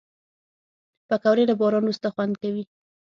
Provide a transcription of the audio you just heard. پکورې له باران وروسته خوند کوي